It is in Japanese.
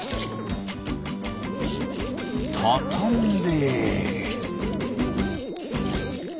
たたんで。